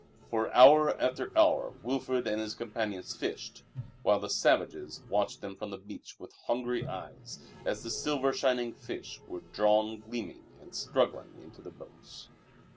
For hour after hour Wilfrid and his companions fished, while the savages watched them from the beach with hungry eyes as the silver shining fish were drawn gleaming and struggling into the boats.